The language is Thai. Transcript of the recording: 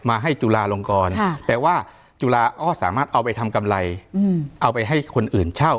ให้จุลาลงกรแต่ว่าจุฬาอ้อสามารถเอาไปทำกำไรเอาไปให้คนอื่นเช่า